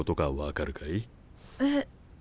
えっ？